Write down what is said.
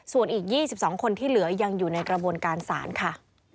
ส่วนอีก๒๒คนที่เหลือยังอยู่ในกระบวนการศาลค่ะ